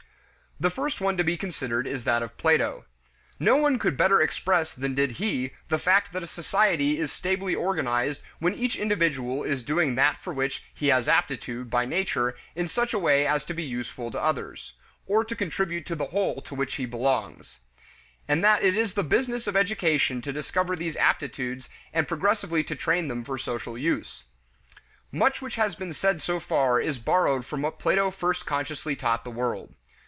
The first one to be considered is that of Plato. No one could better express than did he the fact that a society is stably organized when each individual is doing that for which he has aptitude by nature in such a way as to be useful to others (or to contribute to the whole to which he belongs); and that it is the business of education to discover these aptitudes and progressively to train them for social use. Much which has been said so far is borrowed from what Plato first consciously taught the world.